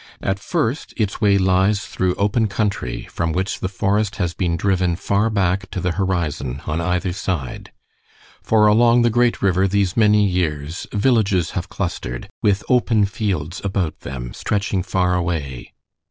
At first its way lies through open country, from which the forest has been driven far back to the horizon on either side, for along the great river these many years villages have clustered, with open fields about them stretching far away.